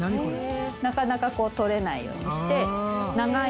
なかなかこう取れないようにして。